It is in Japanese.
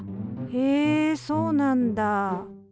へえそうなんだ！